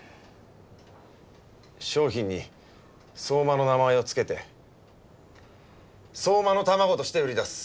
商品に相馬の名前を付けて相馬の卵として売り出す。